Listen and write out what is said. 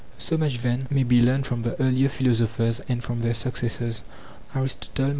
So much then may be learned from the earlier philosophers and from their successors. i.